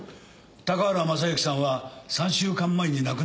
高原雅之さんは３週間前に亡くなってますよ。